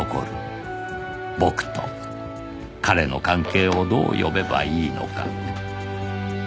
僕と“彼”の関係をどう呼べばいいのか？